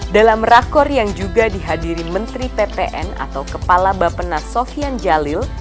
dalam rakor yang juga dihadiri menteri ppn atau kepala bapenas sofian jalil